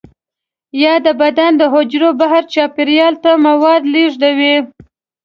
یا د بدن د حجرو بهر چاپیریال ته مواد لیږدوي.